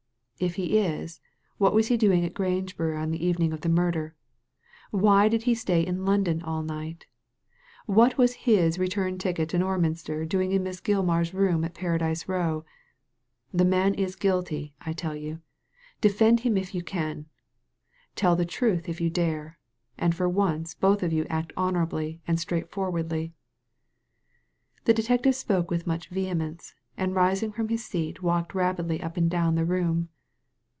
^ If he is, what was he doing at Grangebury on the evening of the murder ? Why did he stay in London all night ? What was his return ticket to Norminster doing in Miss Gilmar's room at Paradise Row? The man is guilty, I tell you. Defend him if you can. Tell the truth if you dare, and for once both of you act honourably and straightforwardly." The detective spoke with much vehemence, and rising from his seat walked rapidly up and down the room.